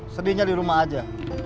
sedihnya di rumah aja